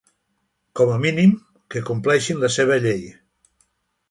Com a mínim, que compleixin la seva llei.